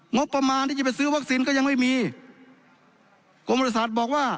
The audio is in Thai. งบประมาณที่จะไปซื้อวัคซีนก็ยังไม่มีกรมบริษัทบอกว่า